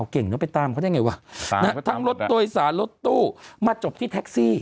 ไปตามเขาได้ไงวะทั้งรถโดยสารรถตู้มาจบที่แท็กซี่